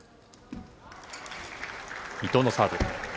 伊藤のサーブ。